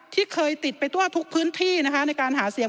ที่เคยติดไปทั่วทุกพื้นที่นะคะในการหาเสียง